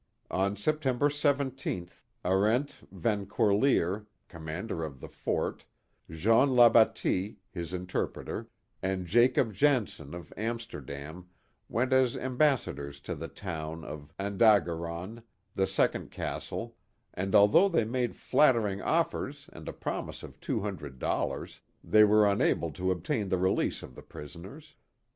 On September 17th, Arendt Van Corlear, commandant of the fort, Jean Labatie, his interpreter, and Jacob Jansen of Amsterdam, went as ambassadors to the town of An da ga ron, the second castle, and although they made flattering offers and a promise of two hundred dollars, they were unable to obtain the release of the prisoners.'